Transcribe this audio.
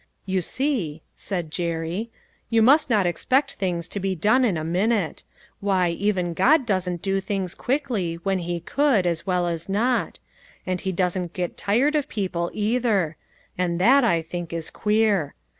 " You see," said Jerry, " you must not expect things to be done in a minute. Why, even God doesn't do things quickly, when he could, as well as not. And he doesn't get tired of people, either ; and that I think is queer.